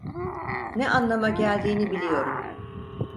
Ne anlama geldiğini biliyorum.